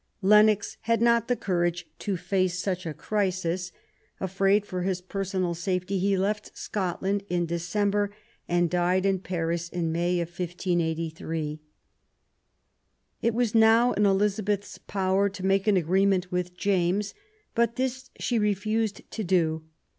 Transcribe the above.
Lennox had not the courage to face such a crisis. Afraid for his personal safety, he left Scotland in December, and died in Paris in May, 1583. It was now in Eliza beth's power to make an agreement with James; but this she refused to do.